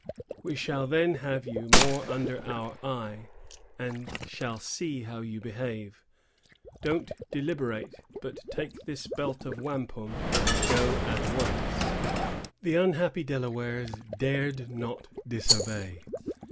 We shall then have you more under our eye, and shall see how you behave. Don't deliberate, but take this belt of wampum, and go at once." The unhappy Delawares dared not disobey.